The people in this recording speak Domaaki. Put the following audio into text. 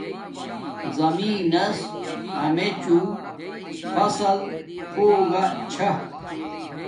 زمین نس امیچوں فصیل ہوگا چھا